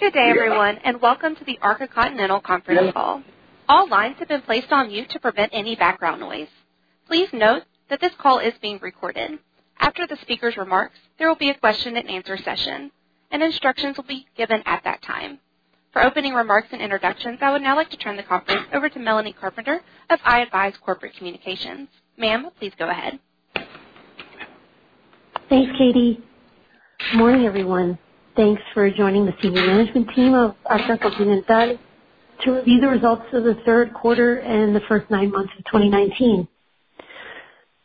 Good day everyone, welcome to the Arca Continental conference call. All lines have been placed on mute to prevent any background noise. Please note that this call is being recorded. After the speaker's remarks, there will be a question and answer session, instructions will be given at that time. For opening remarks and introductions, I would now like to turn the conference over to Melanie Carpenter of iAdvise Corporate Communications. Ma'am, please go ahead. Thanks, Katie. Morning, everyone. Thanks for joining the senior management team of Arca Continental to review the results of the third quarter and the first nine months of 2019.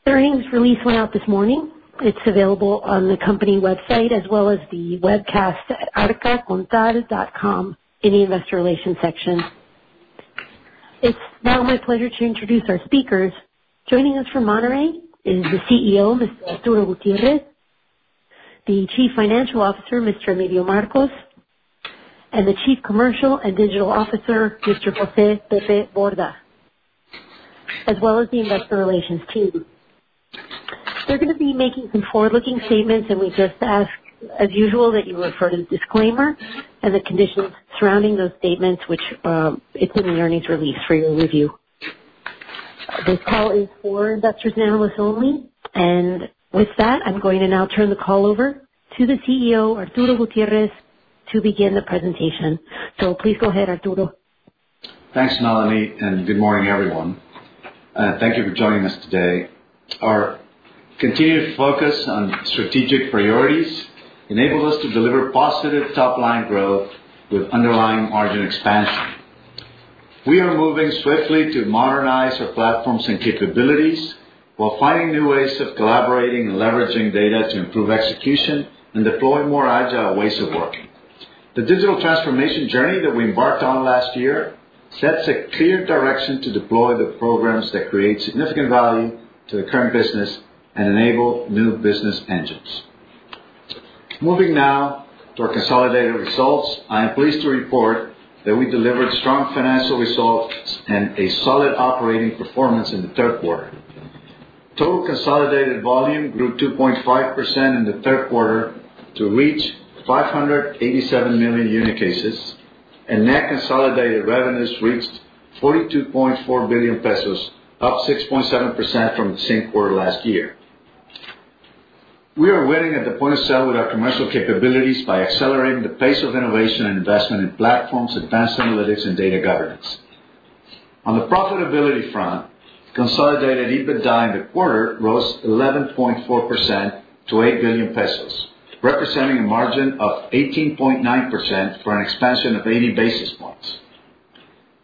The earnings release went out this morning. It's available on the company website as well as the webcast at arcacontinental.com in the investor relations section. It's now my pleasure to introduce our speakers. Joining us from Monterrey is the CEO, Mr. Arturo Gutiérrez, the Chief Financial Officer, Mr. Emilio Marcos, and the Chief Commercial and Digital Officer, Mr. José Pepe Borda, as well as the investor relations team. They're going to be making some forward-looking statements, and we just ask, as usual, that you refer to the disclaimer and the conditions surrounding those statements, which is in the earnings release for your review. This call is for investors and analysts only. With that, I'm going to now turn the call over to the CEO, Arturo Gutiérrez, to begin the presentation. Please go ahead, Arturo. Thanks, Melanie. Good morning, everyone. Thank you for joining us today. Our continued focus on strategic priorities enables us to deliver positive top-line growth with underlying margin expansion. We are moving swiftly to modernize our platforms and capabilities while finding new ways of collaborating and leveraging data to improve execution and deploy more agile ways of working. The digital transformation journey that we embarked on last year sets a clear direction to deploy the programs that create significant value to the current business and enable new business engines. Moving now to our consolidated results. I am pleased to report that we delivered strong financial results and a solid operating performance in the third quarter. Total consolidated volume grew 2.5% in the third quarter to reach 587 million unit cases, and net consolidated revenues reached 42.4 billion pesos, up 6.7% from the same quarter last year. We are winning at the point of sale with our commercial capabilities by accelerating the pace of innovation and investment in platforms, advanced analytics, and data governance. On the profitability front, consolidated EBITDA in the quarter rose 11.4% to 8 billion pesos, representing a margin of 18.9% for an expansion of 80 basis points.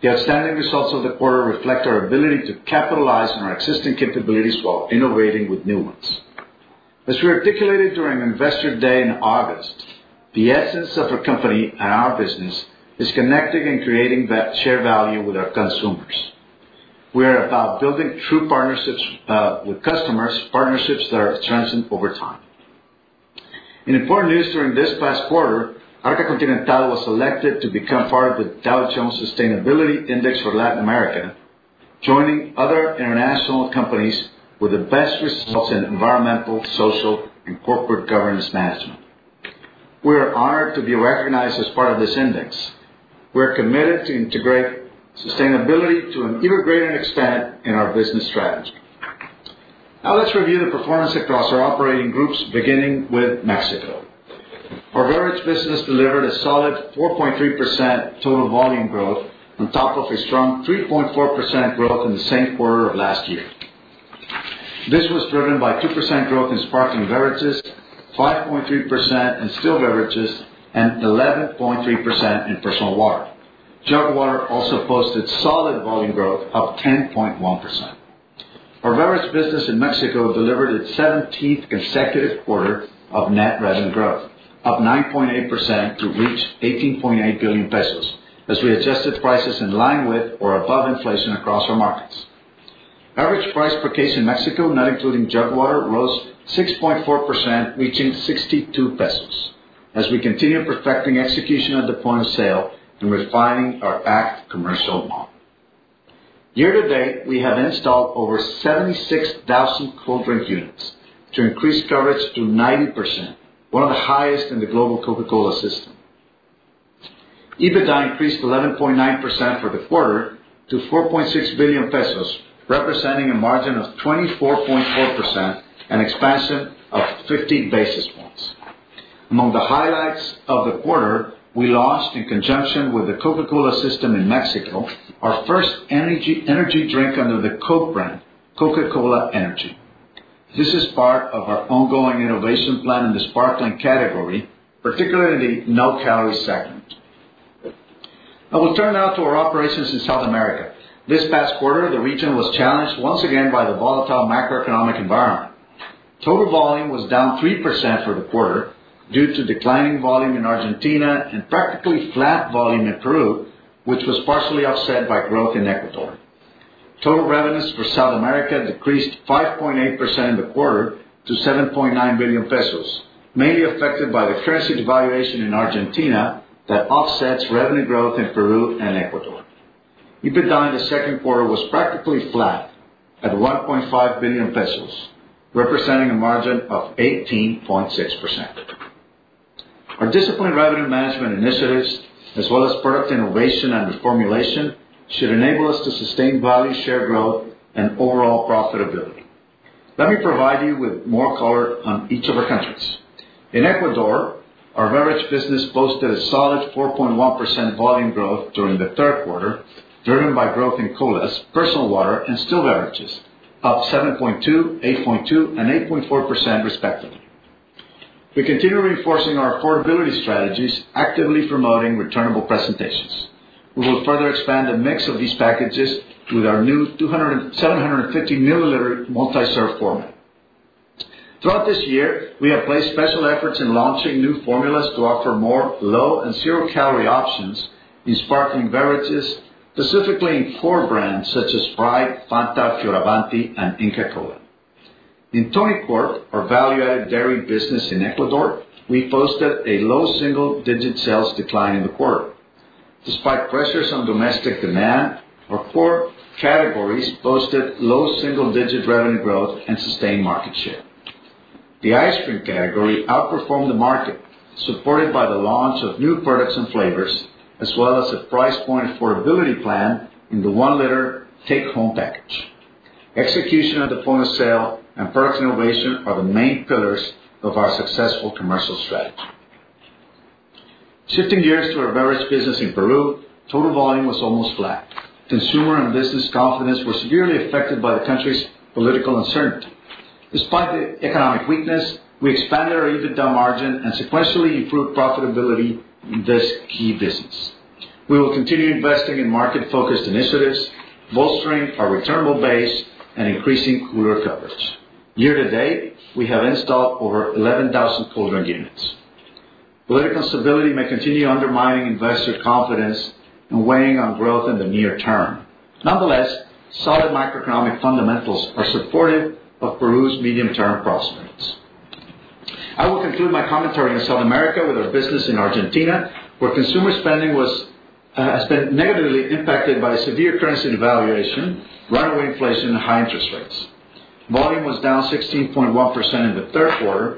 The outstanding results of the quarter reflect our ability to capitalize on our existing capabilities while innovating with new ones. As we articulated during Investor Day in August, the essence of a company and our business is connecting and creating that shared value with our consumers. We are about building true partnerships with customers, partnerships that are transient over time. In important news during this past quarter, Arca Continental was selected to become part of the Dow Jones Sustainability Index for Latin America, joining other international companies with the best results in environmental, social, and corporate governance management. We are honored to be recognized as part of this index. We are committed to integrate sustainability to an even greater extent in our business strategy. Now let's review the performance across our operating groups, beginning with Mexico. Our beverages business delivered a solid 4.3% total volume growth on top of a strong 3.4% growth in the same quarter of last year. This was driven by 2% growth in sparkling beverages, 5.3% in still beverages, and 11.3% in personal water. Jug water also posted solid volume growth of 10.1%. Our beverages business in Mexico delivered its 17th consecutive quarter of net revenue growth, up 9.8% to reach 18.8 billion pesos as we adjusted prices in line with or above inflation across our markets. Average price per case in Mexico, not including jug water, rose 6.4%, reaching 62 pesos as we continue perfecting execution at the point of sale and refining our ACT commercial model. Year to date, we have installed over 76,000 cold drink units to increase coverage to 90%, one of the highest in the global Coca-Cola system. EBITDA increased 11.9% for the quarter to 4.6 billion pesos, representing a margin of 24.4%, an expansion of 50 basis points. Among the highlights of the quarter, we launched in conjunction with the Coca-Cola system in Mexico, our first energy drink under the Coke brand, Coca-Cola Energy. This is part of our ongoing innovation plan in the sparkling category, particularly in the no-calorie segment. I will turn now to our operations in South America. This past quarter, the region was challenged once again by the volatile macroeconomic environment. Total volume was down 3% for the quarter due to declining volume in Argentina and practically flat volume in Peru, which was partially offset by growth in Ecuador. Total revenues for South America decreased 5.8% in the quarter to 7.9 billion pesos, mainly affected by the currency devaluation in Argentina that offsets revenue growth in Peru and Ecuador. EBITDA in the second quarter was practically flat at 1.5 billion pesos, representing a margin of 18.6%. Our disciplined revenue management initiatives, as well as product innovation and reformulation, should enable us to sustain value share growth and overall profitability. Let me provide you with more color on each of our countries. In Ecuador, our beverage business posted a solid 4.1% volume growth during the third quarter, driven by growth in colas, personal water and still beverages, up 7.2%, 8.2% and 8.4% respectively. We continue reinforcing our affordability strategies, actively promoting returnable presentations. We will further expand the mix of these packages with our new 750-milliliter multi-serve format. Throughout this year, we have placed special efforts in launching new formulas to offer more low and zero-calorie options in sparkling beverages, specifically in core brands such as Sprite, Fanta, Fioravanti and Inca Kola. In Tonicorp, our value-added dairy business in Ecuador, we posted a low single-digit sales decline in the quarter. Despite pressures on domestic demand, our core categories posted low single-digit revenue growth and sustained market share. The ice cream category outperformed the market, supported by the launch of new products and flavors, as well as a price point affordability plan in the 1-liter take-home package. Execution at the point of sale and product innovation are the main pillars of our successful commercial strategy. Shifting gears to our beverage business in Peru, total volume was almost flat. Consumer and business confidence were severely affected by the country's political uncertainty. Despite the economic weakness, we expanded our EBITDA margin and sequentially improved profitability in this key business. We will continue investing in market-focused initiatives, bolstering our returnable base and increasing cooler coverage. Year to date, we have installed over 11,000 cooler units. Political instability may continue undermining investor confidence and weighing on growth in the near term. Nonetheless, solid macroeconomic fundamentals are supportive of Peru's medium-term prospects. I will conclude my commentary on South America with our business in Argentina, where consumer spending has been negatively impacted by severe currency devaluation, runaway inflation, and high interest rates. Volume was down 16.1% in the third quarter.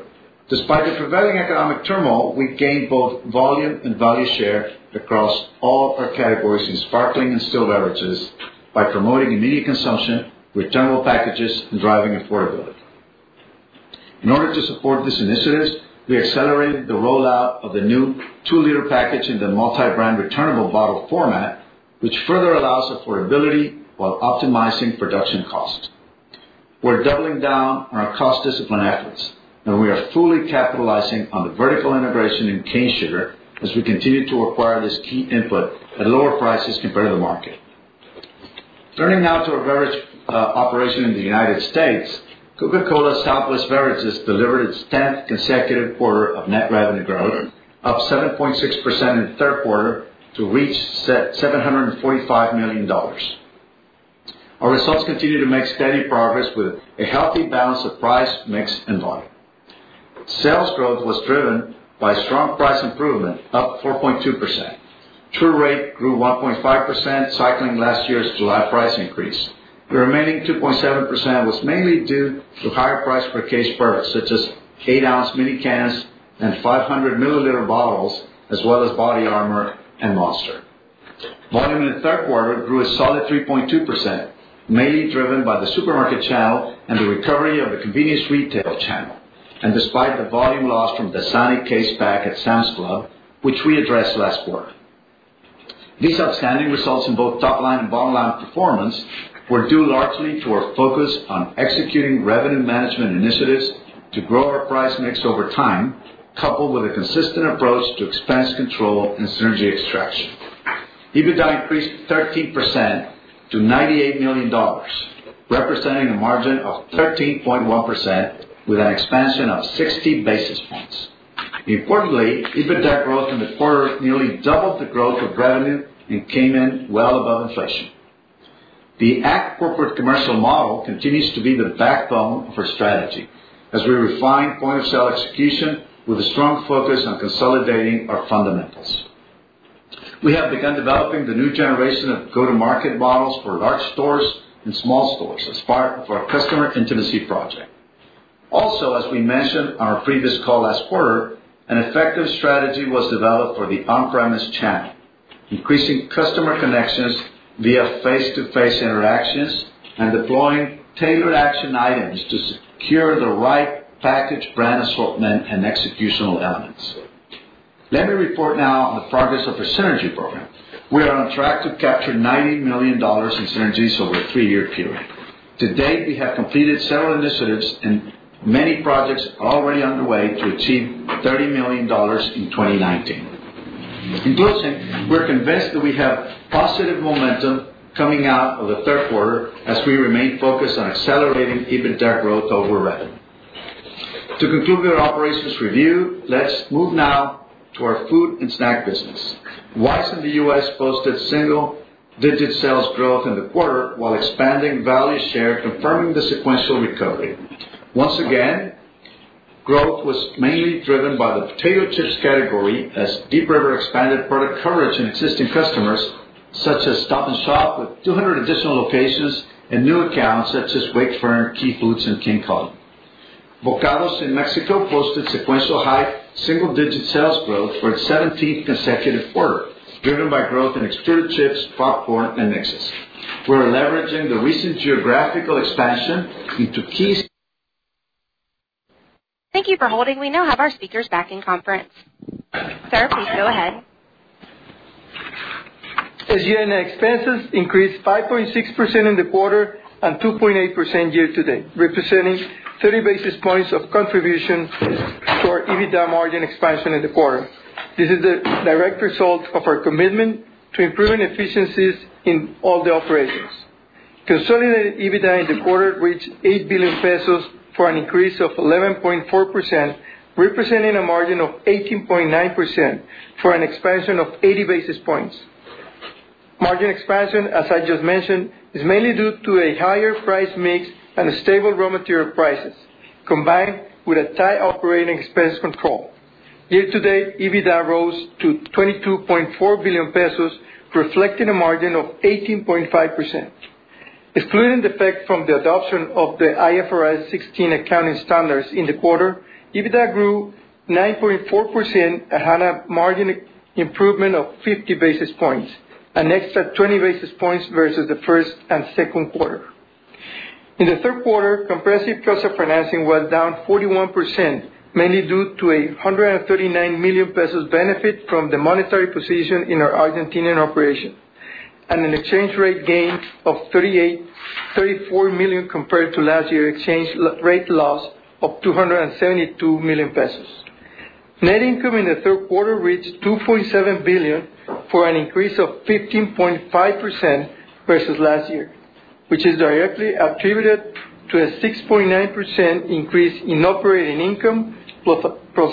Despite the prevailing economic turmoil, we gained both volume and value share across all of our categories in sparkling and still beverages by promoting immediate consumption with returnable packages and driving affordability. In order to support these initiatives, we accelerated the rollout of the new 2-liter package in the multi-brand returnable bottle format, which further allows affordability while optimizing production cost. We're doubling down on our cost discipline efforts, and we are fully capitalizing on the vertical integration in cane sugar as we continue to acquire this key input at lower prices compared to the market. Turning now to our beverage operation in the U.S., Coca-Cola Southwest Beverages delivered its 10th consecutive quarter of net revenue growth, up 7.6% in the third quarter to reach $745 million. Our results continue to make steady progress with a healthy balance of price, mix, and volume. Sales growth was driven by strong price improvement, up 4.2%. Pure rate grew 1.5%, cycling last year's July price increase. The remaining 2.7% was mainly due to higher price per case products such as eight-ounce mini cans and 500-milliliter bottles, as well as BODYARMOR and Monster. Volume in the third quarter grew a solid 3.2%, mainly driven by the supermarket channel and the recovery of the convenience retail channel. Despite the volume loss from DASANI case pack at Sam's Club, which we addressed last quarter. These outstanding results in both top-line and bottom-line performance were due largely to our focus on executing revenue management initiatives to grow our price mix over time, coupled with a consistent approach to expense control and synergy extraction. EBITDA increased 13% to $98 million, representing a margin of 13.1% with an expansion of 60 basis points. Importantly, EBITDA growth in the quarter nearly doubled the growth of revenue and came in well above inflation. The ACT corporate commercial model continues to be the backbone of our strategy as we refine point-of-sale execution with a strong focus on consolidating our fundamentals. We have begun developing the new generation of go-to-market models for large stores and small stores as part of our customer intimacy project. As we mentioned on our previous call last quarter, an effective strategy was developed for the on-premise channel, increasing customer connections via face-to-face interactions and deploying tailored action items to secure the right package, brand assortment, and executional elements. Let me report now on the progress of our synergy program. We are on track to capture MXN 90 million in synergies over a 3-year period. To date, we have completed several initiatives and many projects are already underway to achieve MXN 30 million in 2019. In closing, we're convinced that we have positive momentum coming out of the third quarter as we remain focused on accelerating EBITDA growth over revenue. To conclude our operations review, let's move now to our food and snack business. Wise in the U.S. posted single-digit sales growth in the quarter while expanding value share, confirming the sequential recovery. Growth was mainly driven by the potato chips category as Deep River expanded product coverage in existing customers, such as Stop & Shop, with 200 additional locations and new accounts such as Wakefern, Key Food, and King Kullen. Bokados in Mexico posted sequential high single-digit sales growth for its 17th consecutive quarter, driven by growth in extruded chips, popcorn, and mixes. We're leveraging the recent geographical expansion into key-. Thank you for holding. We now have our speakers back in conference. Sir, please go ahead. SG&A expenses increased 5.6% in the quarter and 2.8% year-to-date, representing 30 basis points of contribution to our EBITDA margin expansion in the quarter. This is the direct result of our commitment to improving efficiencies in all the operations. Consolidated EBITDA in the quarter reached 8 billion pesos for an increase of 11.4%, representing a margin of 18.9% for an expansion of 80 basis points. Margin expansion, as I just mentioned, is mainly due to a higher price mix and stable raw material prices, combined with a tight operating expense control. Year-to-date, EBITDA rose to 22.4 billion pesos, reflecting a margin of 18.5%. Excluding the effect from the adoption of the IFRS 16 accounting standards in the quarter, EBITDA grew 9.4% and had a margin improvement of 50 basis points and extra 20 basis points versus the first and second quarter. In the third quarter, comprehensive cost of financing was down 41%, mainly due to a 139 million pesos benefit from the monetary position in our Argentinian operation, and an exchange rate gain of 34 million compared to last year exchange rate loss of 272 million pesos. Net income in the third quarter reached 2.7 billion for an increase of 15.5% versus last year, which is directly attributed to a 6.9% increase in operating income plus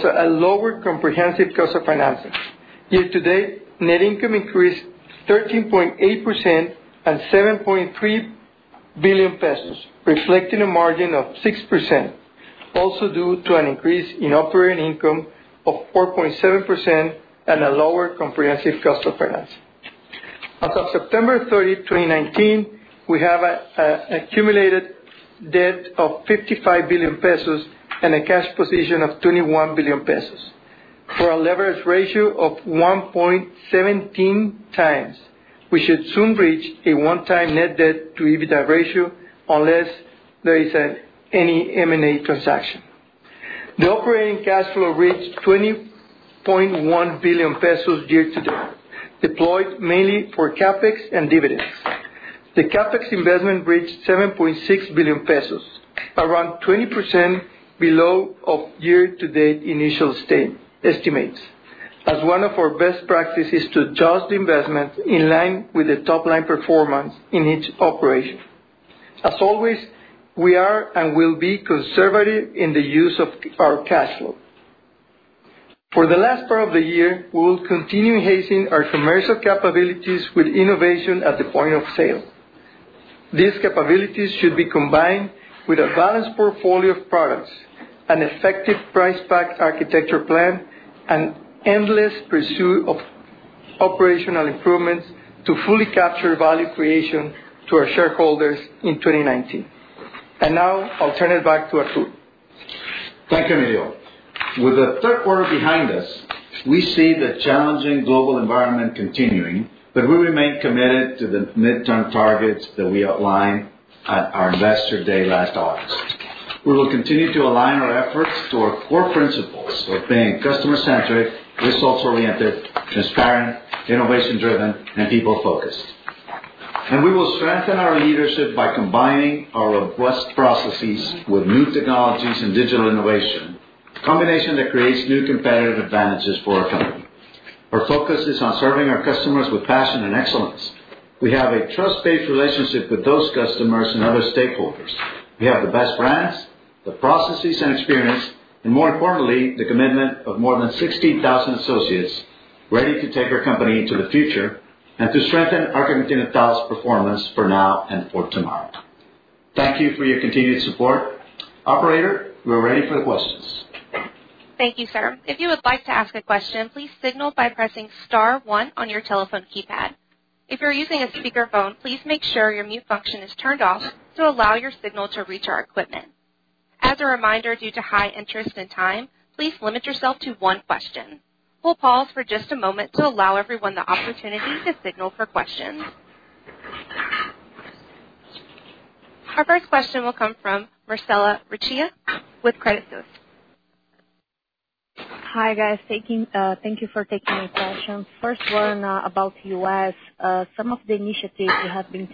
a lower comprehensive cost of financing. Year-to-date, net income increased 13.8% and 7.3 billion pesos, reflecting a margin of 6%, also due to an increase in operating income of 4.7% and a lower comprehensive cost of financing. As of September 30th, 2019, we have an accumulated debt of 55 billion pesos and a cash position of 21 billion pesos for a leverage ratio of 1.17 times. We should soon reach a one-time net debt to EBITDA ratio unless there is any M&A transaction. The operating cash flow reached 20.1 billion pesos year to date, deployed mainly for CapEx and dividends. The CapEx investment reached 7.6 billion pesos, around 20% below of year-to-date initial estimates. As one of our best practice is to adjust the investment in line with the top-line performance in each operation. As always, we are and will be conservative in the use of our cash flow. For the last part of the year, we will continue enhancing our commercial capabilities with innovation at the point of sale. These capabilities should be combined with a balanced portfolio of products, an effective price pack architecture plan, and endless pursuit of operational improvements to fully capture value creation to our shareholders in 2019. Now I'll turn it back to Arturo. Thank you, Emilio. With the third quarter behind us, we see the challenging global environment continuing, but we remain committed to the midterm targets that we outlined at our investor day last August. We will continue to align our efforts to our core principles of being customer-centric, results-oriented, transparent, innovation-driven, and people-focused. We will strengthen our leadership by combining our robust processes with new technologies and digital innovation, a combination that creates new competitive advantages for our company. Our focus is on serving our customers with passion and excellence. We have a trust-based relationship with those customers and other stakeholders. We have the best brands, the processes and experience, and more importantly, the commitment of more than 16,000 associates ready to take our company into the future and to strengthen Arca Continental's performance for now and for tomorrow. Thank you for your continued support. Operator, we're ready for the questions. Thank you, sir. If you would like to ask a question, please signal by pressing *1 on your telephone keypad. If you're using a speakerphone, please make sure your mute function is turned off to allow your signal to reach our equipment. As a reminder, due to high interest and time, please limit yourself to one question. We'll pause for just a moment to allow everyone the opportunity to signal for questions. Our first question will come from Marcela Rios with Credit Suisse. Hi, guys. Thank you for taking my questions. First one about U.S. Some of the initiatives you have been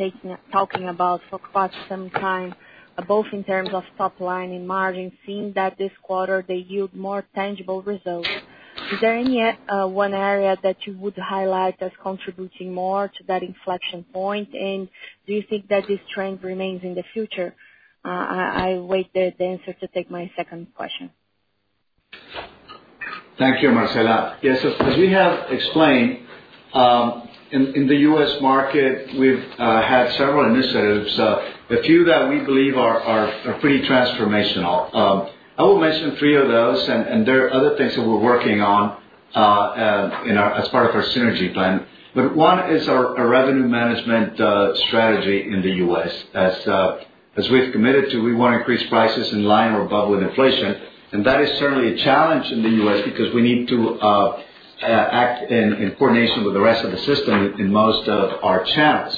talking about for quite some time, both in terms of top line and margin, seem that this quarter they yield more tangible results. Is there any one area that you would highlight as contributing more to that inflection point? Do you think that this trend remains in the future? I will wait the answer to take my second question. Thank you, Marcela. Yes, as we have explained, in the U.S. market, we've had several initiatives, a few that we believe are pretty transformational. I will mention three of those, and there are other things that we're working on as part of our synergy plan. One is our revenue management strategy in the U.S. As we've committed to, we want to increase prices in line or above with inflation. That is certainly a challenge in the U.S. because we need to act in coordination with the rest of the system in most of our channels.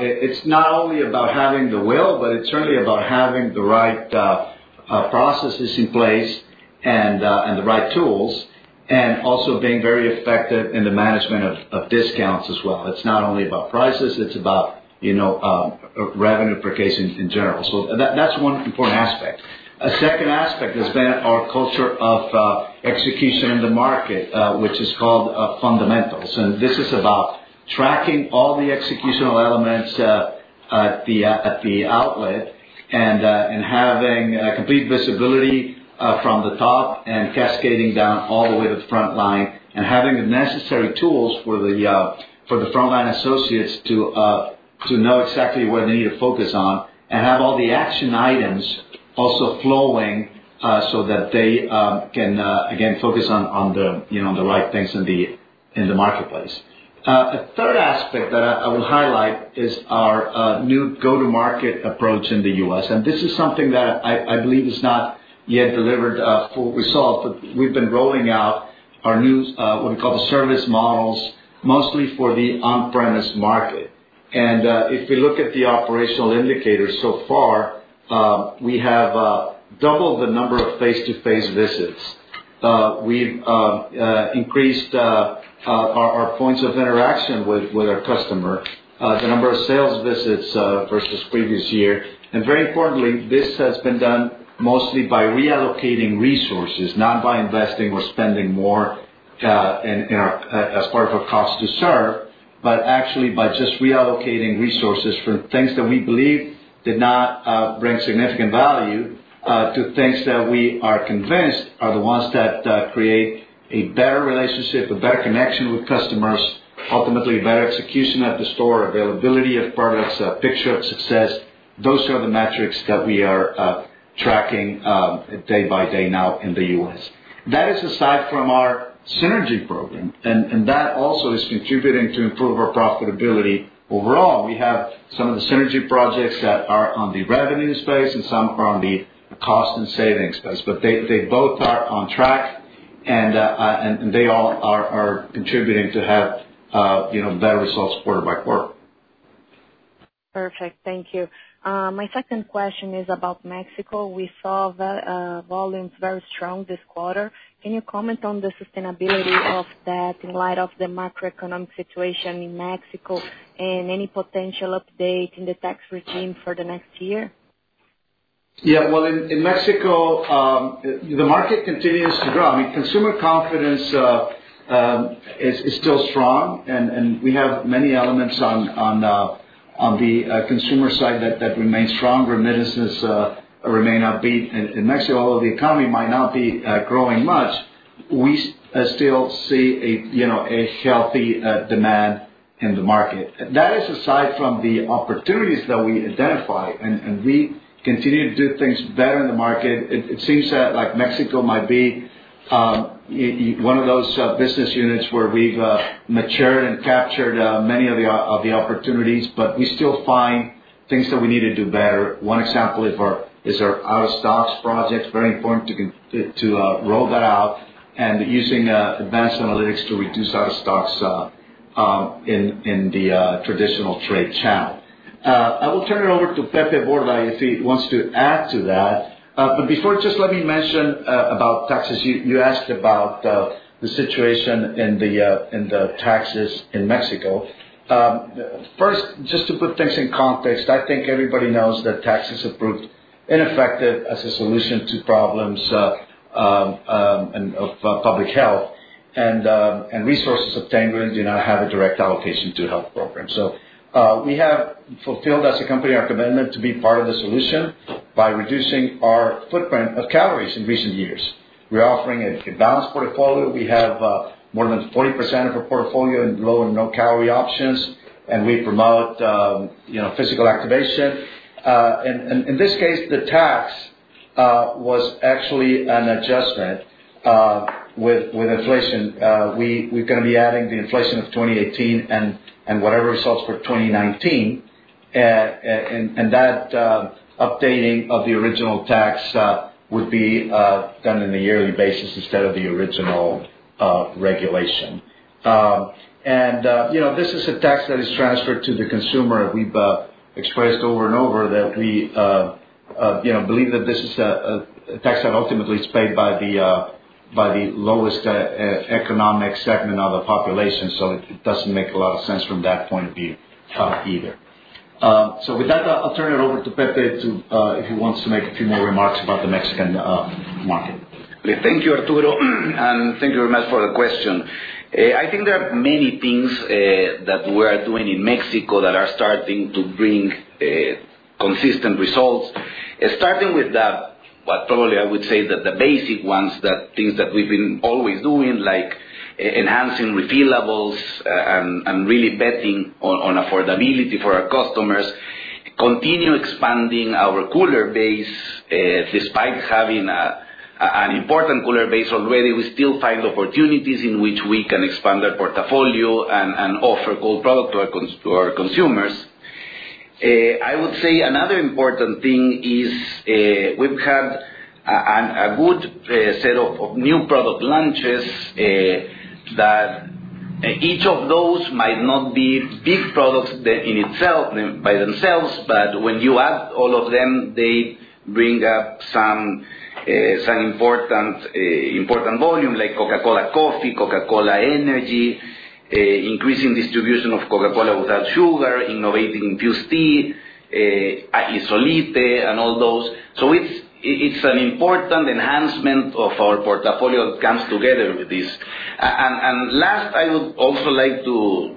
It's not only about having the will, but it's certainly about having the right processes in place and the right tools. Also being very effective in the management of discounts as well. It's not only about prices, it's about revenue per case in general. That's one important aspect. A second aspect has been our culture of execution in the market, which is called fundamentals. This is about tracking all the executional elements at the outlet and having complete visibility from the top and cascading down all the way to the front line and having the necessary tools for the frontline associates to know exactly where they need to focus on and have all the action items also flowing, so that they can, again, focus on the right things in the marketplace. A third aspect that I will highlight is our new go-to-market approach in the U.S. This is something that I believe is not yet delivered full result, but we've been rolling out our new, what we call the service models, mostly for the on-premise market. If we look at the operational indicators so far, we have doubled the number of face-to-face visits. We've increased our points of interaction with our customer, the number of sales visits versus previous year. Very importantly, this has been done mostly by reallocating resources, not by investing or spending more as part of a cost to serve, but actually by just reallocating resources from things that we believe did not bring significant value to things that we are convinced are the ones that create a better relationship, a better connection with customers, ultimately better execution at the store, availability of products, picture of success. Those are the metrics that we are tracking day by day now in the U.S. That is aside from our synergy program, and that also is contributing to improve our profitability overall. We have some of the synergy projects that are on the revenue space and some are on the cost and savings space. They both are on track, and they all are contributing to have better results quarter by quarter. Perfect. Thank you. My second question is about Mexico. We saw volumes very strong this quarter. Can you comment on the sustainability of that in light of the macroeconomic situation in Mexico and any potential update in the tax regime for the next year? Well, in Mexico, the market continues to grow. Consumer confidence is still strong, and we have many elements on the consumer side that remain strong. Remittances remain upbeat in Mexico. Although the economy might not be growing much, we still see a healthy demand in the market. That is aside from the opportunities that we identify, and we continue to do things better in the market. It seems that Mexico might be one of those business units where we've matured and captured many of the opportunities, but we still find things that we need to do better. One example is our out-of-stocks projects. Very important to roll that out and using advanced analytics to reduce out-of-stocks in the traditional trade channel. I will turn it over to Pepe Borda, if he wants to add to that. Before, just let me mention about taxes. You asked about the situation in the taxes in Mexico. First, just to put things in context, I think everybody knows that taxes have proved ineffective as a solution to problems of public health. Resources obtained do not have a direct allocation to health programs. We have fulfilled, as a company, our commitment to be part of the solution by reducing our footprint of calories in recent years. We're offering a balanced portfolio. We have more than 40% of our portfolio in low and no-calorie options, and we promote physical activation. In this case, the tax was actually an adjustment with inflation. We're going to be adding the inflation of 2018 and whatever results for 2019, and that updating of the original tax would be done in a yearly basis instead of the original regulation. This is a tax that is transferred to the consumer. We've expressed over and over that we believe that this is a tax that ultimately is paid by the lowest economic segment of the population. It doesn't make a lot of sense from that point of view either. With that, I'll turn it over to Pepe if he wants to make a few more remarks about the Mexican market. Thank you, Arturo, and thank you very much for the question. I think there are many things that we are doing in Mexico that are starting to bring consistent results. Starting with that, probably I would say that the basic ones, things that we've been always doing, like enhancing refillables and really betting on affordability for our customers, continue expanding our cooler base. Despite having an important cooler base already, we still find opportunities in which we can expand our portfolio and offer cold product to our consumers. I would say another important thing is we've had a good set of new product launches that each of those might not be big products by themselves, but when you add all of them, they bring up some important volume like Coca-Cola Coffee, Coca-Cola Energy, increasing distribution of Coca-Cola without sugar, innovating Fuze Tea, ISOLITE, and all those. It's an important enhancement of our portfolio that comes together with this. Last, I would also like to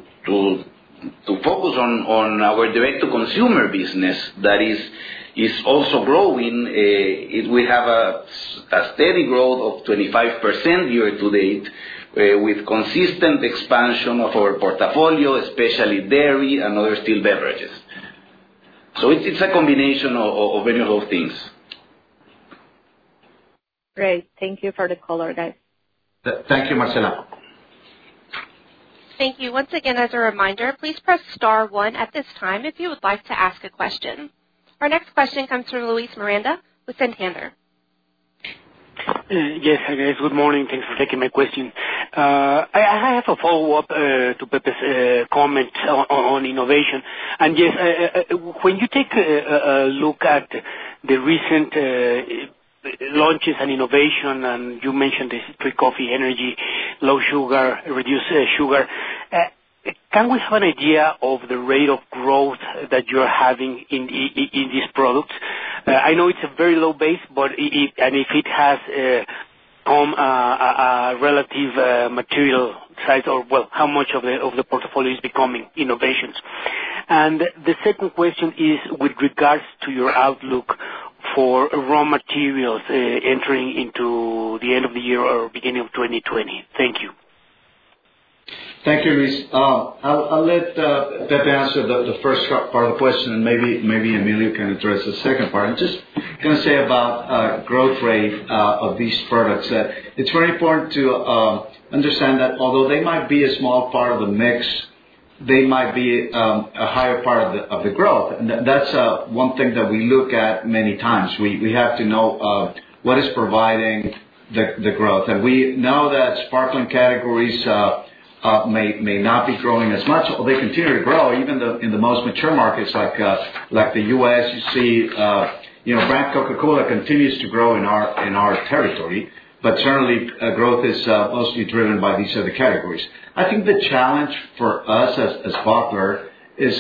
focus on our direct-to-consumer business that is also growing. We have a steady growth of 25% year to date, with consistent expansion of our portfolio, especially dairy and other still beverages. It's a combination of any of those things. Great. Thank you for the color, guys. Thank you, Marcela. Thank you. Once again, as a reminder, please press star 1 at this time if you would like to ask a question. Our next question comes from Luis Miranda with Santander. Yes. Hi, guys. Good morning. Thanks for taking my question. I have a follow-up to Pepe's comment on innovation. Yes, when you take a look at the recent launches and innovation, and you mentioned this pre coffee energy, low sugar, reduced sugar, can we have an idea of the rate of growth that you're having in these products? I know it's a very low base, and if it has become a relative material size, or, well, how much of the portfolio is becoming innovations. The second question is with regards to your outlook for raw materials entering into the end of the year or beginning of 2020. Thank you. Thank you, Luis. I'll let Pepe answer the first part of the question, and maybe Emilio can address the second part. I'm just gonna say about growth rate of these products, that it's very important to understand that although they might be a small part of the mix, they might be a higher part of the growth. That's one thing that we look at many times. We have to know what is providing the growth. We know that sparkling categories may not be growing as much, or they continue to grow even though in the most mature markets like the U.S., you see brand Coca-Cola continues to grow in our territory, but certainly growth is mostly driven by these other categories. I think the challenge for us as bottler is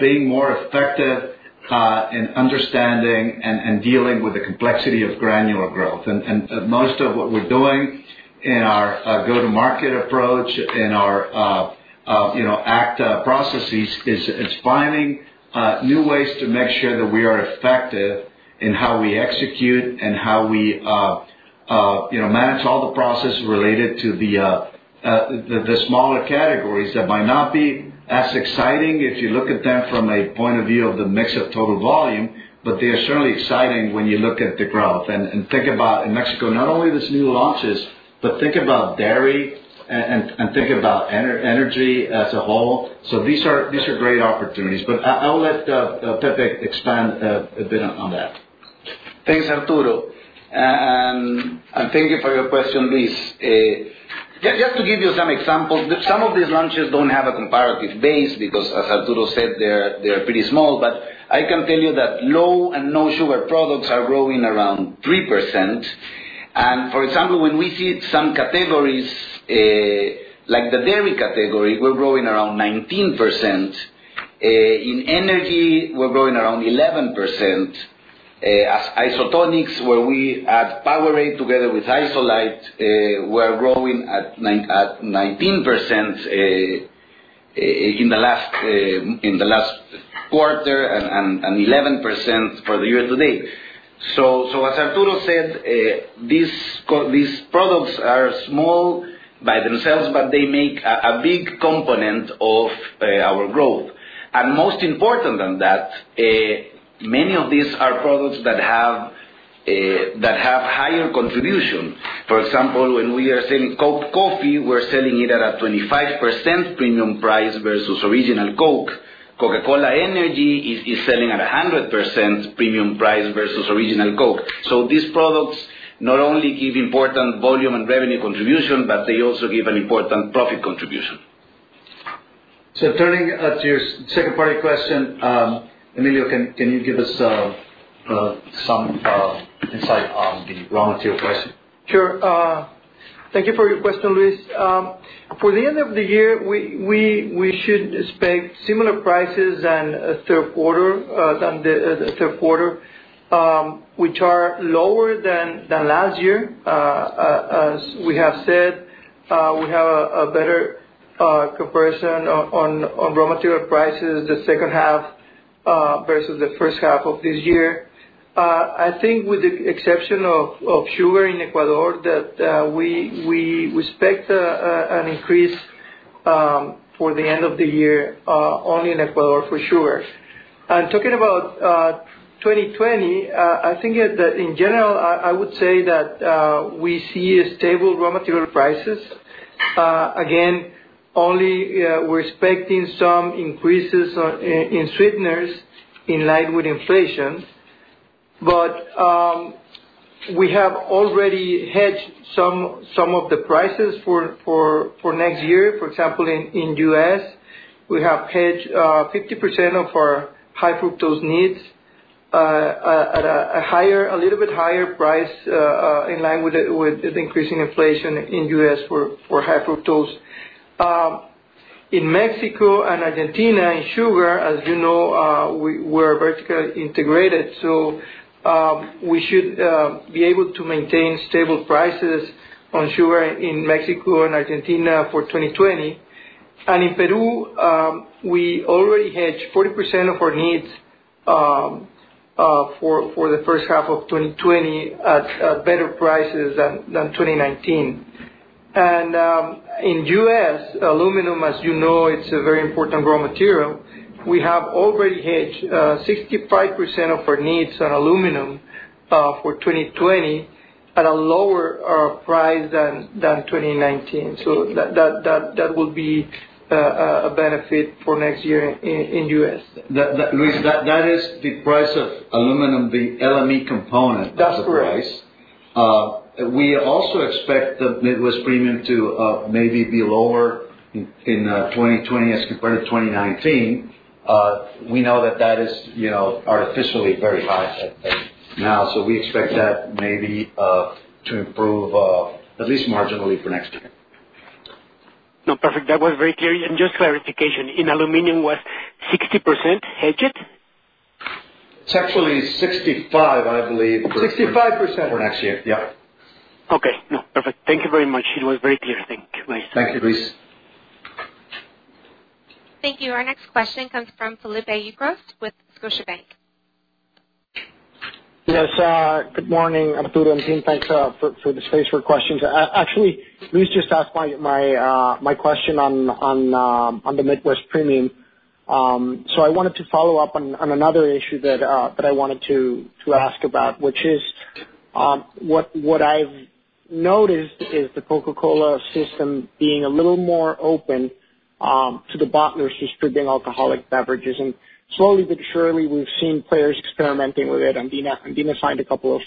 being more effective in understanding and dealing with the complexity of granular growth. Most of what we're doing in our go-to-market approach, in our ACT processes, is finding new ways to make sure that we are effective in how we execute and how we manage all the processes related to the smaller categories that might not be as exciting if you look at them from a point of view of the mix of total volume, but they are certainly exciting when you look at the growth. Think about in Mexico, not only these new launches, but think about dairy and think about energy as a whole. These are great opportunities. I'll let Pepe expand a bit on that. Thanks, Arturo. Thank you for your question, Luis. Just to give you some examples, some of these launches don't have a comparative base because, as Arturo said, they're pretty small, but I can tell you that low and no sugar products are growing around 3%. For example, when we see some categories like the dairy category, we're growing around 19%. In energy, we're growing around 11%. As isotonics, where we add Powerade together with ISOLITE, we're growing at 19% in the last quarter and 11% for the year to date. As Arturo said, these products are small by themselves, but they make a big component of our growth. Most important than that, many of these are products that have higher contribution. For example, when we are selling Coke Coffee, we're selling it at a 25% premium price versus original Coke. Coca-Cola Energy is selling at 100% premium price versus original Coke. These products not only give important volume and revenue contribution, but they also give an important profit contribution. Turning to your second part of the question, Emilio, can you give us some insight on the raw material question? Sure. Thank you for your question, Luis. For the end of the year, we should expect similar prices than the third quarter. Which are lower than last year. As we have said, we have a better comparison on raw material prices the second half versus the first half of this year. I think with the exception of sugar in Ecuador, that we expect an increase for the end of the year, only in Ecuador, for sure. Talking about 2020, I think that in general, I would say that we see stable raw material prices. Again, only we're expecting some increases in sweeteners in line with inflation. We have already hedged some of the prices for next year. For example, in U.S., we have hedged 50% of our High-fructose needs at a little bit higher price, in line with the increasing inflation in U.S. for High-fructose. In Mexico and Argentina, in sugar, as you know, we're vertically integrated. We should be able to maintain stable prices on sugar in Mexico and Argentina for 2020. In Peru, we already hedged 40% of our needs for the first half of 2020 at better prices than 2019. In U.S., aluminum, as you know, it's a very important raw material. We have already hedged 65% of our needs on aluminum for 2020 at a lower price than 2019. That will be a benefit for next year in U.S. Luis, that is the price of aluminum, the LME component of the price. That's correct. We also expect the Midwest Premium to maybe be lower in 2020 as compared to 2019. We know that that is artificially very high now. We expect that maybe to improve, at least marginally for next year. No, perfect. That was very clear. Just clarification, in aluminum was 60% hedged? It's actually 65%, I believe. 65% for next year, yep. Okay. No, perfect. Thank you very much. It was very clear. Thank you. Bye. Thank you, Luis. Thank you. Our next question comes from Felipe Ucros with Scotiabank. Yes. Good morning, Arturo and team. Thanks for the space for questions. Actually, Luis just asked my question on the Midwest Premium. I wanted to follow up on another issue that I wanted to ask about, which is, what I've noticed is the Coca-Cola system being a little more open to the bottlers distributing alcoholic beverages, and slowly but surely, we've seen players experimenting with it. Andina signed a couple of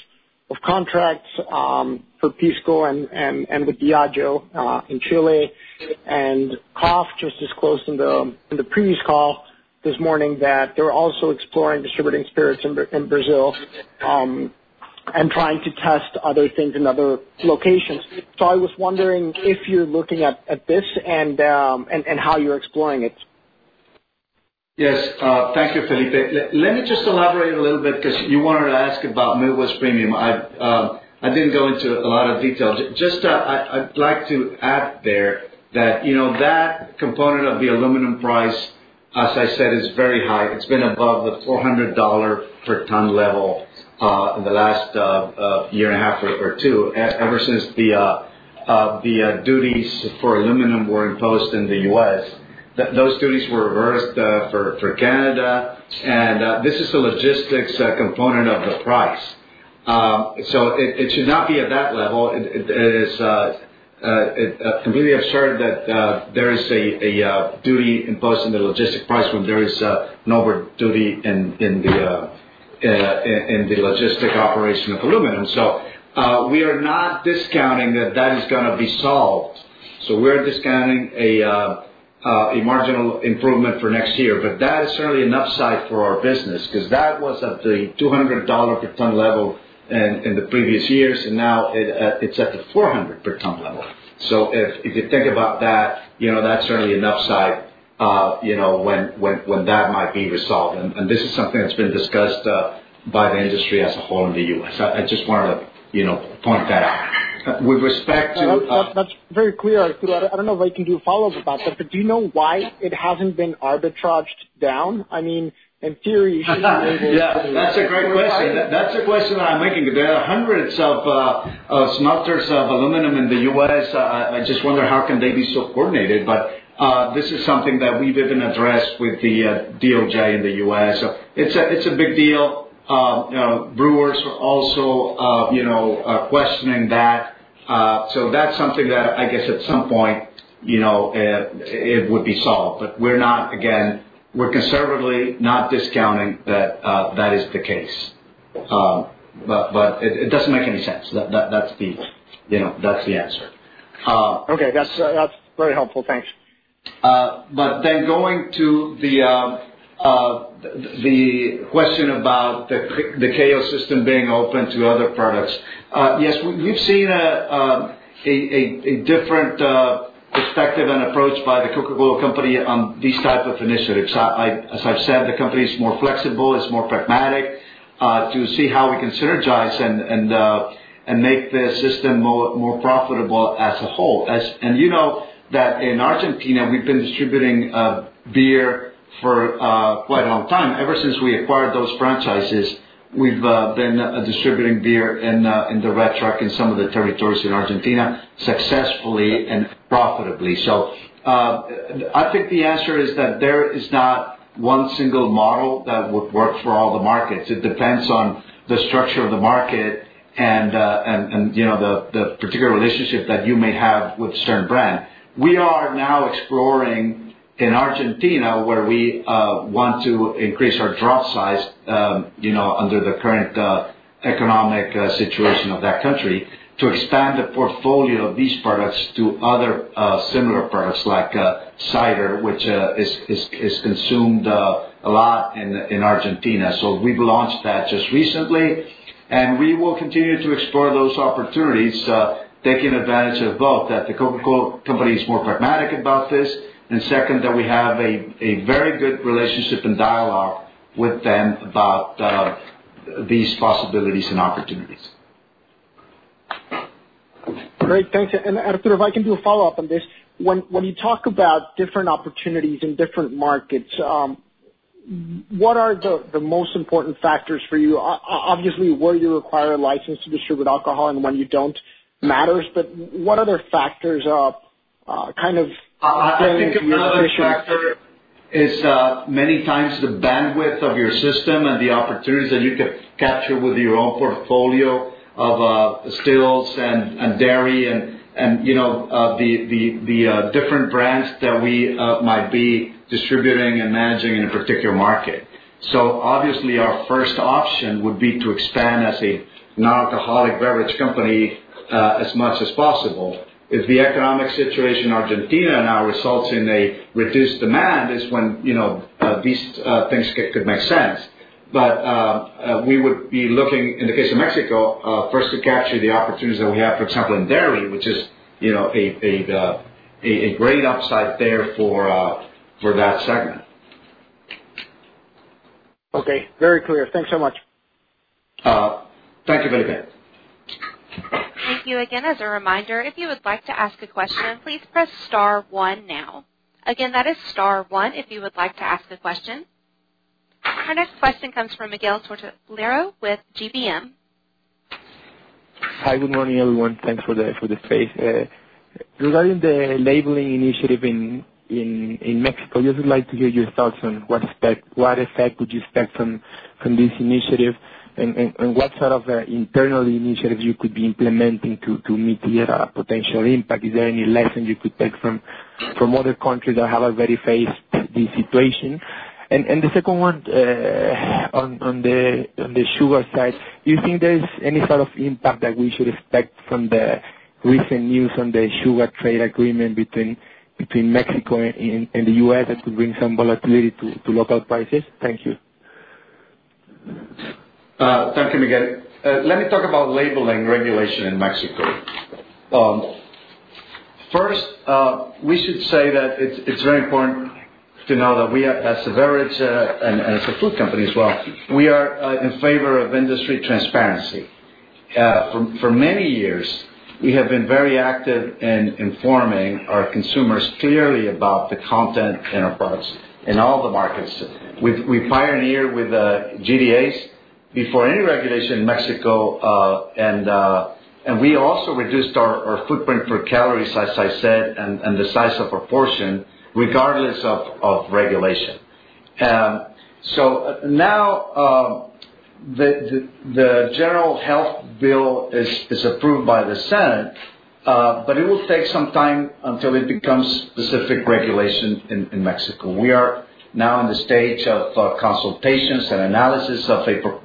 contracts, for Pisco and with Diageo in Chile. Coke just disclosed in the previous call this morning that they're also exploring distributing spirits in Brazil, and trying to test other things in other locations. I was wondering if you're looking at this and how you're exploring it. Yes. Thank you, Felipe. Let me just elaborate a little bit because you wanted to ask about Midwest premium. I didn't go into a lot of details. Just, I'd like to add there that component of the aluminum price, as I said, is very high. It's been above the $400 per ton level, in the last year and a half or two, ever since the duties for aluminum were imposed in the U.S. Those duties were reversed for Canada. This is a logistics component of the price. It should not be at that level. It is completely absurd that there is a duty imposed in the logistic price when there is no duty in the logistic operation of aluminum. We are not discounting that that is going to be solved. We're discounting a marginal improvement for next year. That is certainly an upside for our business, because that was at the MXN 200 per ton level in the previous years. Now it's at the 400 per ton level. If you think about that's certainly an upside, when that might be resolved. This is something that's been discussed by the industry as a whole in the U.S. I just wanted to point that out. With respect to- That's very clear, Arturo. I don't know if I can do a follow-up about that, but do you know why it hasn't been arbitraged down? Yeah. That's a great question. That's a question that I'm making. There are hundreds of smelters of aluminum in the U.S. I just wonder how can they be so coordinated. This is something that we've even addressed with the DOJ in the U.S. It's a big deal. Brewers are also questioning that. That's something that I guess at some point it would be solved. We're conservatively not discounting that that is the case. It doesn't make any sense. That's the answer. Okay. That's very helpful. Thanks. Going to the question about the KO system being open to other products. Yes. We've seen a different perspective and approach by The Coca-Cola Company on these type of initiatives. As I've said, the company is more flexible, it's more pragmatic, to see how we can synergize and make the system more profitable as a whole. You know that in Argentina we've been distributing beer for quite a long time. Ever since we acquired those franchises, we've been distributing beer in the Retroc and some of the territories in Argentina successfully and profitably. I think the answer is that there is not one single model that would work for all the markets. It depends on the structure of the market and the particular relationship that you may have with a certain brand. We are now exploring in Argentina, where we want to increase our drop size under the current economic situation of that country, to expand the portfolio of these products to other similar products like cider, which is consumed a lot in Argentina. We've launched that just recently, and we will continue to explore those opportunities, taking advantage of both, that The Coca-Cola Company is more pragmatic about this, and second, that we have a very good relationship and dialogue with them about these possibilities and opportunities. Great, thanks. Arturo, if I can do a follow-up on this, when you talk about different opportunities in different markets, what are the most important factors for you? Obviously, where you require a license to distribute alcohol and when you don't matters, what other factors kind of play into your decision? I think another factor is many times the bandwidth of your system and the opportunities that you could capture with your own portfolio of stills and dairy and the different brands that we might be distributing and managing in a particular market. Obviously our first option would be to expand as a non-alcoholic beverage company, as much as possible. If the economic situation in Argentina now results in a reduced demand is when these things could make sense. We would be looking, in the case of Mexico, first to capture the opportunities that we have, for example, in dairy, which is a great upside there for that segment. Okay. Very clear. Thanks so much. Thank you very much. Thank you again. As a reminder, if you would like to ask a question, please press star one now. Again, that is star one if you would like to ask a question. Our next question comes from Miguel Tortolero with GBM. Hi, good morning, everyone. Thanks for the space. Regarding the labeling initiative in Mexico, just would like to hear your thoughts on what effect would you expect from this initiative and what sort of internal initiatives you could be implementing to mitigate a potential impact. Is there any lesson you could take from other countries that have already faced this situation? The second one, on the sugar side, do you think there's any sort of impact that we should expect from the recent news on the sugar trade agreement between Mexico and the U.S. that could bring some volatility to local prices? Thank you. Thank you, Miguel. Let me talk about labeling regulation in Mexico. First, we should say that it's very important to know that we as a beverage, and as a food company as well, we are in favor of industry transparency. For many years, we have been very active in informing our consumers clearly about the content in our products in all the markets. We pioneered with GDAs before any regulation in Mexico, and we also reduced our footprint for calories, as I said, and the size of our portion regardless of regulation. Now, the general health bill is approved by the Senate, but it will take some time until it becomes specific regulation in Mexico. We are now in the stage of consultations and analysis.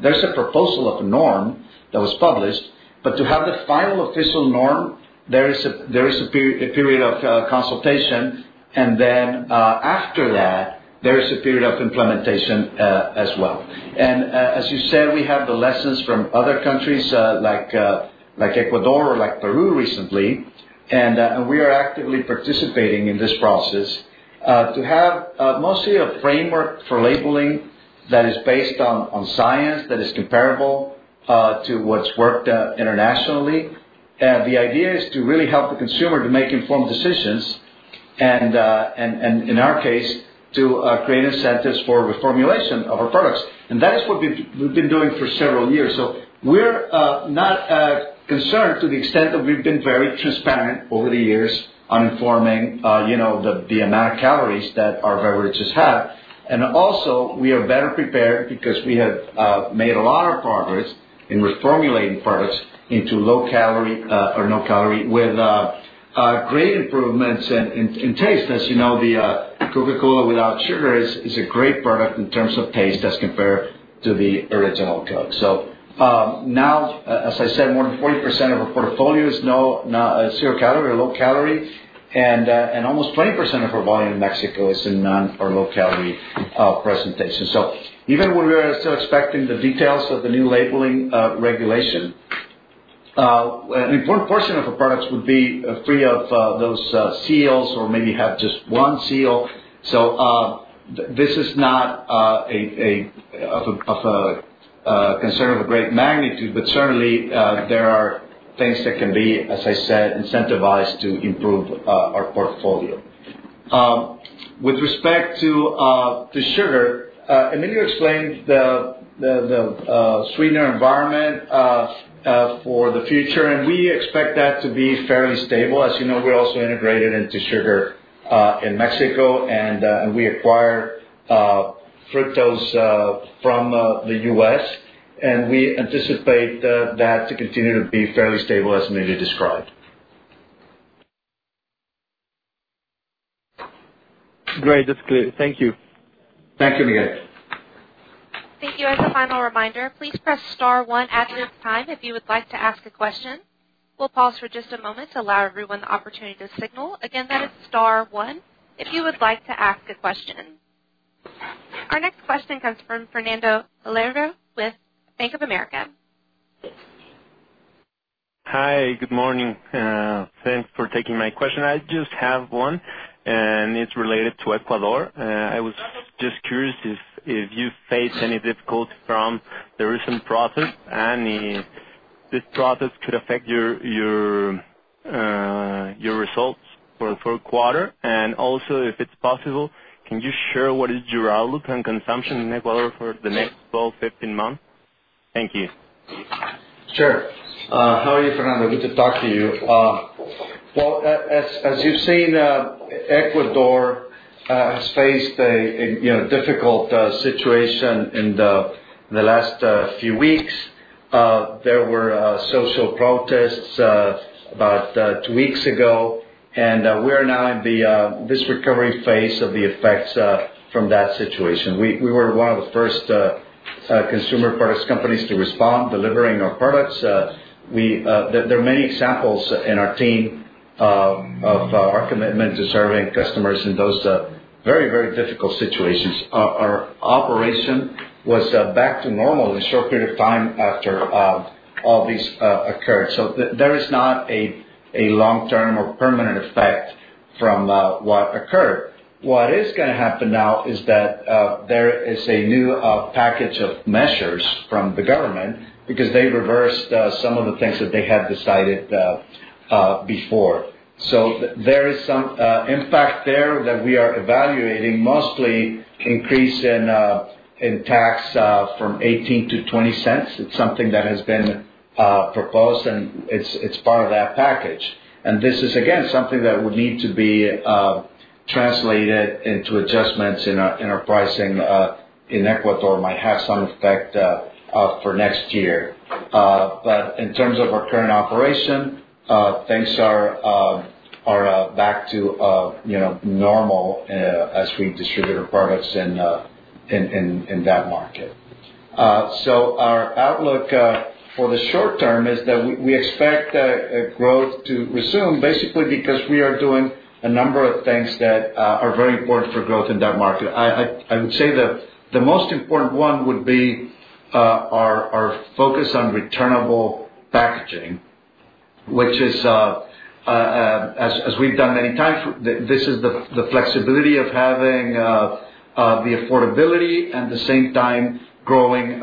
There's a proposal of a norm that was published. To have the final official norm, there is a period of consultation and then, after that, there is a period of implementation, as well. As you said, we have the lessons from other countries, like Ecuador or like Peru recently. We are actively participating in this process, to have mostly a framework for labeling that is based on science that is comparable to what's worked internationally. The idea is to really help the consumer to make informed decisions and, in our case, to create incentives for reformulation of our products. That is what we've been doing for several years. We're not concerned to the extent that we've been very transparent over the years on informing the amount of calories that our beverages have. Also, we are better prepared because we have made a lot of progress in reformulating products into low calorie, or no calorie, with great improvements in taste. As you know, the Coca-Cola Zero Sugar is a great product in terms of taste as compared to the original Coke. Now, as I said, more than 40% of our portfolio is zero calorie or low calorie, and almost 20% of our volume in Mexico is in non- or low-calorie presentations. Even when we are still expecting the details of the new labeling regulation. An important portion of our products would be free of those seals or maybe have just one seal. This is not of a concern of a great magnitude, but certainly, there are things that can be, as I said, incentivized to improve our portfolio. With respect to sugar, Emilio explained the sweetener environment for the future. We expect that to be fairly stable. As you know, we also integrated into sugar in Mexico. We acquire fructose from the U.S. We anticipate that to continue to be fairly stable, as Emilio described. Great. That's clear. Thank you. Thank you, Miguel. Thank you. As a final reminder, please press star one at any time if you would like to ask a question. We will pause for just a moment to allow everyone the opportunity to signal. Again, that is star one if you would like to ask a question. Our next question comes from Fernando Olvera with Bank of America. Hi. Good morning. Thanks for taking my question. I just have one, and it's related to Ecuador. I was just curious if you faced any difficulty from the recent process and if this process could affect your results for the third quarter. Also, if it's possible, can you share what is your outlook on consumption in Ecuador for the next 12, 15 months? Thank you. Sure. How are you, Fernando? Good to talk to you. Well, as you've seen, Ecuador has faced a difficult situation in the last few weeks. There were social protests about two weeks ago, and we're now in this recovery phase of the effects from that situation. We were one of the first consumer products companies to respond, delivering our products. There are many examples in our team of our commitment to serving customers in those very, very difficult situations. Our operation was back to normal in a short period of time after all this occurred. There is not a long-term or permanent effect from what occurred. What is going to happen now is that there is a new package of measures from the government because they reversed some of the things that they had decided before. There is some impact there that we are evaluating, mostly increase in tax from 0.18-0.20. It's something that has been proposed, and it's part of that package. This is, again, something that would need to be translated into adjustments in our pricing in Ecuador. Might have some effect for next year. In terms of our current operation, things are back to normal as we distribute our products in that market. Our outlook for the short term is that we expect growth to resume, basically because we are doing a number of things that are very important for growth in that market. I would say the most important one would be our focus on returnable packaging, which is, as we've done many times, this is the flexibility of having the affordability and at the same time growing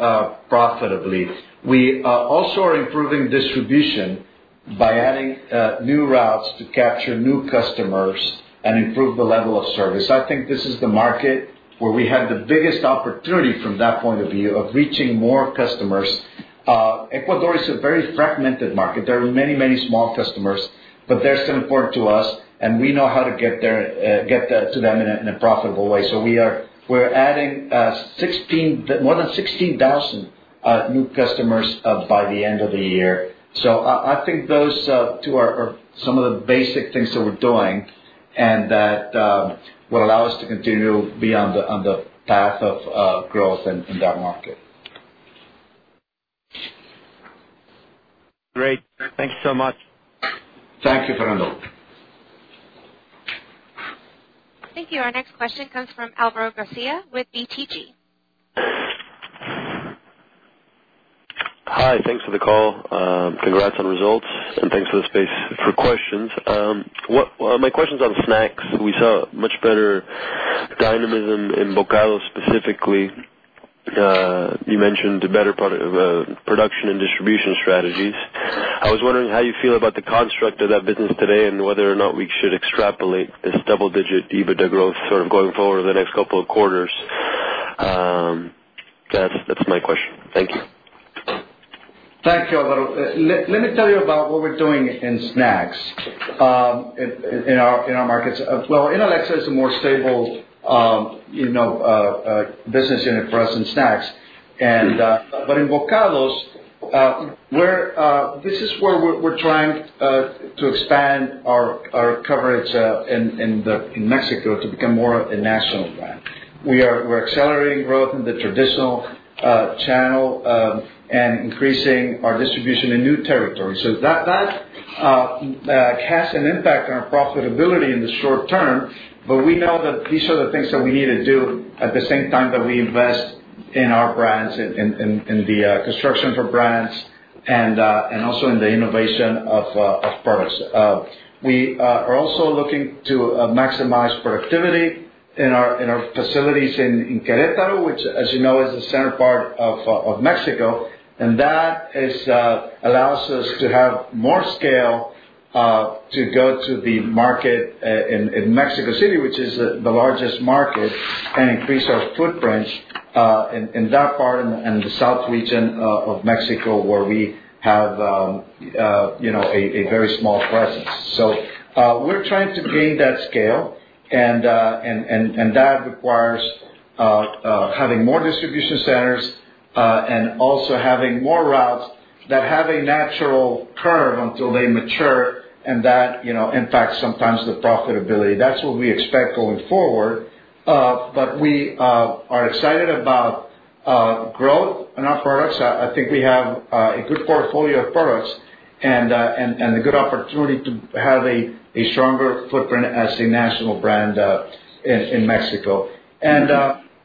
profitably. We also are improving distribution by adding new routes to capture new customers and improve the level of service. I think this is the market where we have the biggest opportunity from that point of view of reaching more customers. Ecuador is a very fragmented market. There are many small customers, but they're still important to us, and we know how to get to them in a profitable way. We're adding more than 16,000 new customers by the end of the year. I think those two are some of the basic things that we're doing and that will allow us to continue to be on the path of growth in that market. Great. Thank you so much. Thank you, Fernando. Thank you. Our next question comes from Alvaro Garcia with BTG. Hi. Thanks for the call. Congrats on results, thanks for the space for questions. My question is on snacks. We saw much better dynamism in Bokados specifically. You mentioned the better production and distribution strategies. I was wondering how you feel about the construct of that business today and whether or not we should extrapolate this double-digit EBITDA growth sort of going forward over the next couple of quarters. That's my question. Thank you. Thank you, Alvaro. Let me tell you about what we're doing in snacks in our markets. Inalecsa is a more stable business unit for us in snacks. In Bokados, this is where we're trying to expand our coverage in Mexico to become more a national brand. We're accelerating growth in the traditional channel and increasing our distribution in new territories. That has an impact on our profitability in the short term, but we know that these are the things that we need to do at the same time that we invest in our brands, in the construction for brands, and also in the innovation of products. We are also looking to maximize productivity in our facilities in Querétaro, which, as you know, is the center part of Mexico. That allows us to have more scale to go to the market in Mexico City, which is the largest market, and increase our footprint in that part and the south region of Mexico, where we have a very small presence. We're trying to gain that scale, and that requires having more distribution centers and also having more routes that have a natural curve until they mature, and that impacts sometimes the profitability. That's what we expect going forward. We are excited about growth in our products. I think we have a good portfolio of products and a good opportunity to have a stronger footprint as a national brand in Mexico.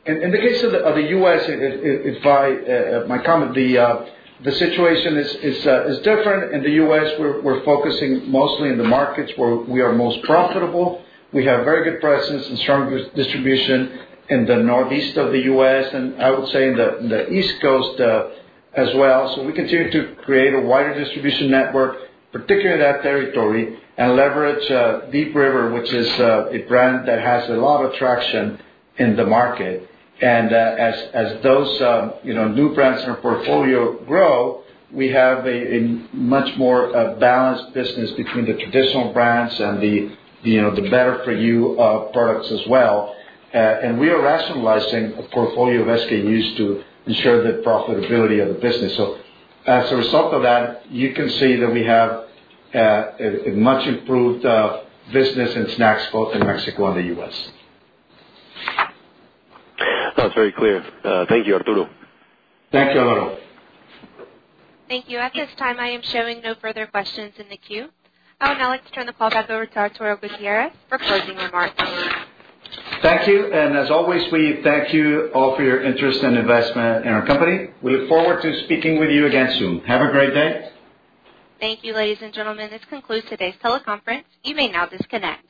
In the case of the U.S., if I might comment, the situation is different. In the U.S., we're focusing mostly in the markets where we are most profitable. We have very good presence and strong distribution in the northeast of the U.S., and I would say in the East Coast as well. We continue to create a wider distribution network, particularly that territory, and leverage Deep River, which is a brand that has a lot of traction in the market. As those new brands in our portfolio grow, we have a much more balanced business between the traditional brands and the better-for-you products as well. We are rationalizing a portfolio of SKUs to ensure the profitability of the business. As a result of that, you can see that we have a much-improved business in snacks, both in Mexico and the U.S. That's very clear. Thank you, Arturo. Thank you, Alvaro. Thank you. At this time, I am showing no further questions in the queue. I would now like to turn the call back over to Arturo Gutierrez for closing remarks. Thank you. As always, we thank you all for your interest and investment in our company. We look forward to speaking with you again soon. Have a great day. Thank you, ladies and gentlemen. This concludes today's teleconference. You may now disconnect.